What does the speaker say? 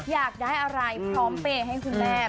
อยากได้อะไรพร้อมเปย์ให้คุณแม่